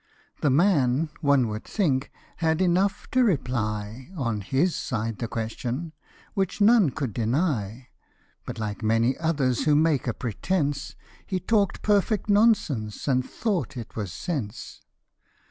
The man, one would think, had enough to reply On his side the question, which none could deny ; But, like many others who make a pretence, He talk'd perfect nonsense and thought it was sense.